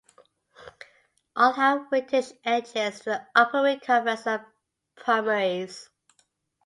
All have whitish edges to the upper wing-coverts and primaries.